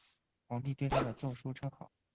皇帝对他的奏疏称好。